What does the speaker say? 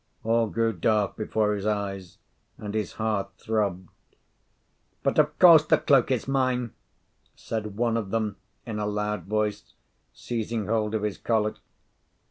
All grew dark before his eyes, and his heart throbbed. "But, of course, the cloak is mine!" said one of them in a loud voice, seizing hold of his collar.